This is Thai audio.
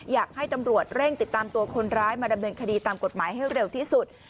อยากให้ตำรวจเร่งติดตามตัวคนร้ายมาดำเนินคดีตามกฎหมายให้เร็วที่สุด